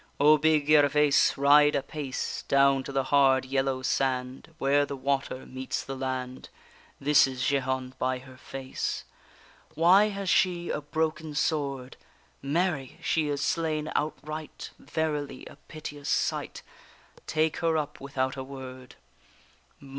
O big Gervaise ride apace! Down to the hard yellow sand, Where the water meets the land. This is Jehane by her face. Why has she a broken sword? Mary! she is slain outright; Verily a piteous sight; Take her up without a word!